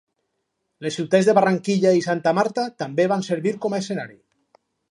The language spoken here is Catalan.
Les ciutats de Barranquilla i Santa Marta també van servir com a escenari.